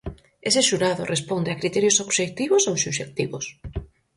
Ese xurado responde a criterios obxectivos ou subxectivos?